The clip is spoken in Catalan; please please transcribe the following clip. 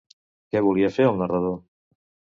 Què volia fer el narrador?